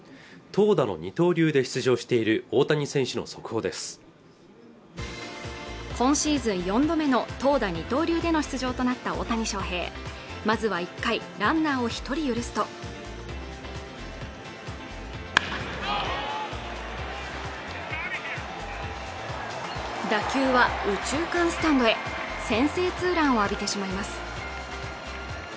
投打の二刀流で出場している大谷選手の速報です今シーズン４度目の投打二刀流での出場となった大谷翔平まずは１回ランナーを一人許すと打球は右中間スタンドへ先制ツーランを浴びてしまいます